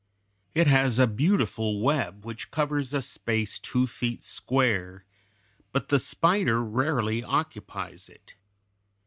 It has a beautiful web which covers a space two feet square, but the spider rarely occupies it.